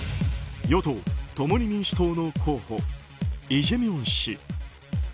与党・共に民主党の候補イ・ジェミョン氏